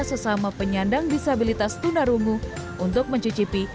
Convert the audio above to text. sesama penyandang disabilitas tunarungu untuk mencicipi